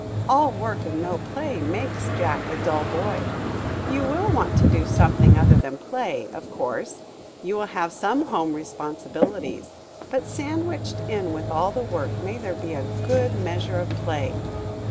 All work and no play makes Jack a dull boy. You will want to do something other than play, of course. You will have some home responsibilities, but sandwiched in with the work may there be a good measure of play.